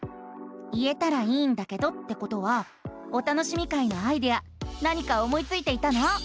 「言えたらいいんだけど」ってことは「お楽しみ会」のアイデア何か思いついていたの？